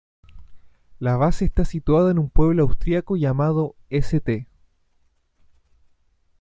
La base está situada en un pueblo Austriaco llamado St.